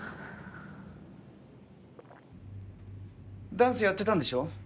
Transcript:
ダンスやってたんでしょ？